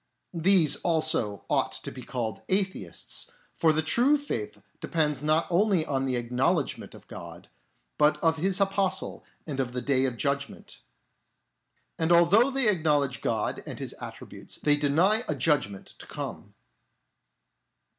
These also ought to be called atheists, for the true faith depends not only on the acknow ledgment of God, but of His Apostle and of the Day of Judgment. And although they acknow ledge God and His attributes, they deny a judg ment to come.